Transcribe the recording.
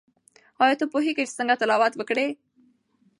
آیا ته پوهیږې چې څنګه تلاوت وکړې؟